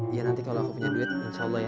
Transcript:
iya nanti kalo aku punya duit insya allah ya